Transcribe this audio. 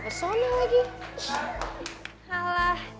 aku udah kelas tiga